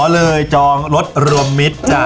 เลยจองรถรวมมิตรจ้ะ